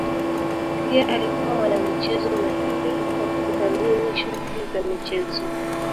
pia alikuwa mwana michezo mahiri kwa kudhamini shughuli za michezo